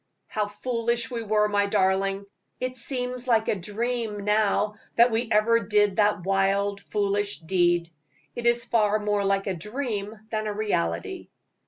"How foolish we were, my darling. It seems like a dream now that we ever did that wild, foolish deed. It is far more like a dream than a reality."